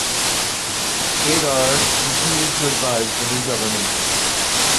Gaidar continued to advise the new government.